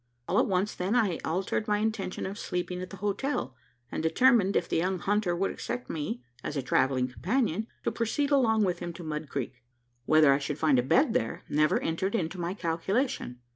All at once, then, I altered my intention of sleeping at the hotel; and determined, if the young hunter would accept me as a travelling companion, to proceed along with him to Mud Creek. Whether I should find a bed there, never entered into my calculation.